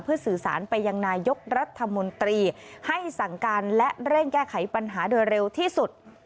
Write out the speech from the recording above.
สื่อสารไปยังนายกรัฐมนตรีให้สั่งการและเร่งแก้ไขปัญหาโดยเร็วที่สุด